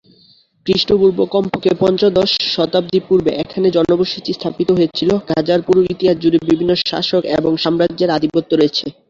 খ্রিস্টপূর্ব কমপক্ষে পঞ্চদশ শতাব্দী পূর্বে এখানে জনবসতি স্থাপিত হয়েছিল, গাজার পুরো ইতিহাস জুড়ে বিভিন্ন শাসক এবং সাম্রাজ্যের আধিপত্য রয়েছে।